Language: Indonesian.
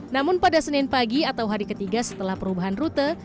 namun pada senin pagi atau hari ketiga setelah perubahan rute